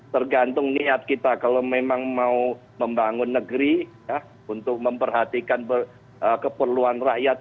tergantung niat kita kalau memang mau membangun negeri untuk memperhatikan keperluan rakyat